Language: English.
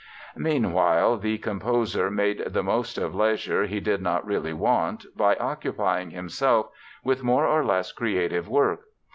Meanwhile, the composer made the most of leisure he did not really want, by occupying himself with more or less creative work.